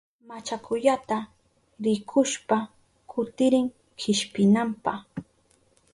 Machakuyata rikushpa kutirin kishpinanpa.